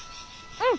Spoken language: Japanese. うん。